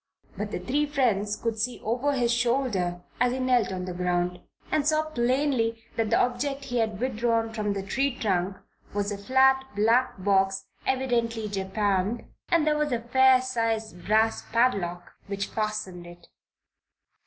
But the three friends could see over his shoulder as he knelt on the ground, and saw plainly that the object he had withdrawn from the tree trunk was a flat black box, evidently japanned, and there was a fair sized brass padlock which fastened it.